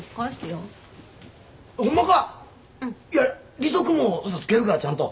利息もつけるからちゃんと。